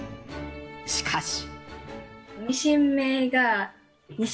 しかし。